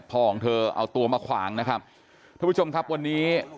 ของเธอเอาตัวมาขวางนะครับทุกผู้ชมครับวันนี้